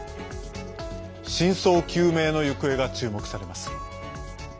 真相究明の行方が注目されます。